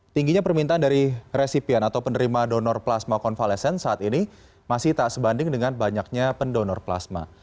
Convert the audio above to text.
tingginya permintaan dari resipian atau penerima donor plasma konvalesen saat ini masih tak sebanding dengan banyaknya pendonor plasma